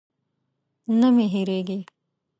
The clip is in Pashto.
نه مې هېرېږي.